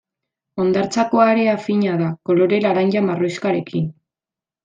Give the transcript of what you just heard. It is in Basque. Hondartzako area fina da, kolore laranja-marroixkarekin.